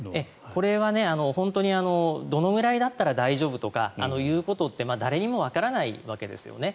これは本当にどのぐらいだったら大丈夫ということとか誰にもわからないわけですよね。